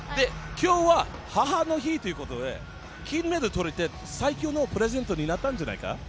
今日は母の日ということで、金メダル取れて、最高のプレゼントになったんじゃないか？